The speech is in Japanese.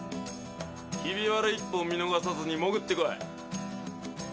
ひび割れ１本見逃さずに潜ってこい。